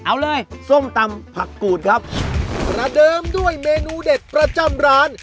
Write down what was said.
เอาเลยส้มตำผักกูดครับประเดิมด้วยเมนูเด็ดประจำร้าน